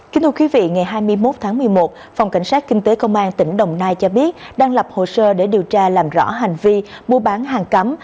kính thưa quý vị ngày hai mươi một tháng một mươi một phòng cảnh sát kinh tế công an tỉnh đồng nai cho biết đang lập hồ sơ để điều tra làm rõ hành vi mua bán hàng cấm